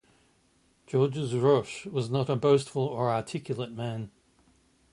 Georges Roesch was not a boastful or articulate man.